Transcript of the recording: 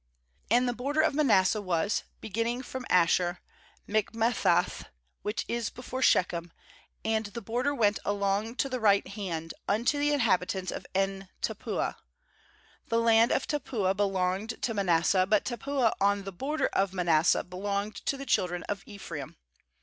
7And the border of Manasseh was, beginning from Asher, Michmethath, . which is before Shechem; and the bor der went along to the right hand, unto the inhabitants of En tappuah. — 8The land of Tappuah belonged to Ma nasseh; but Tappuah on the border of Manasseh belonged to the children of Ephraim.